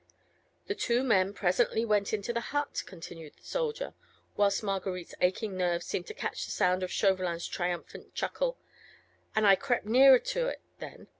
"The two men presently went into the hut," continued the soldier, whilst Marguerite's aching nerves seemed to catch the sound of Chauvelin's triumphant chuckle, "and I crept nearer to it then.